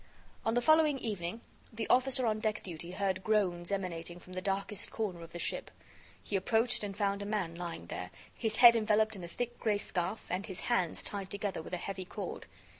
On the following evening, the officer on deck duty heard groans emanating from the darkest corner of the ship. He approached and found a man lying there, his head enveloped in a thick gray scarf and his hands tied together with a heavy cord.